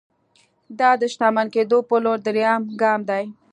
دا د شتمن کېدو پر لور درېيم ګام دی.